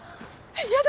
やだ！